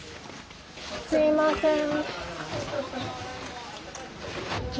すいません。